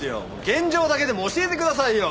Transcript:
現状だけも教えてくださいよ！